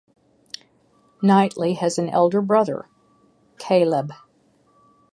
Knightley has an elder brother, Caleb.